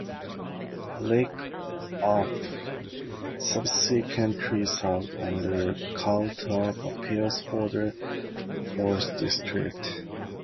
Rickhoff subsequently served on the Court of Appeals for the Fourth District.